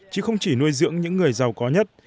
chứ không chỉ nuôi dưỡng những người giàu có nhất